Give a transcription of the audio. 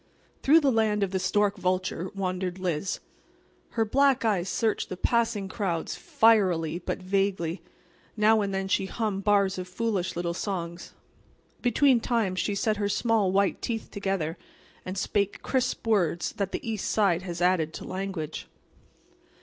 Through the land of the stork vulture wandered Liz. Her black eyes searched the passing crowds fierily but vaguely. Now and then she hummed bars of foolish little songs. Between times she set her small, white teeth together, and spake crisp words that the east side has added to language.